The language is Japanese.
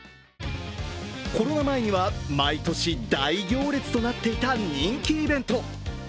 コロナ前には毎年大行列となっていた人気イベント。